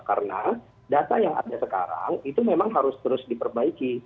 karena data yang ada sekarang itu memang harus terus diperbaiki